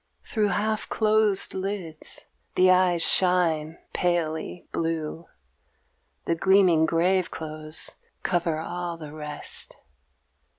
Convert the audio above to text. Through half closed lids the eyes shine palely blue; The gleaming grave clothes cover all the rest.